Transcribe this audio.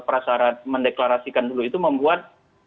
prasarat mendeklarasikan dulu itu membuat